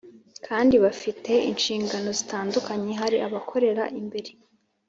kandi bafite inshingano zitandukanye Hari abakorera imbere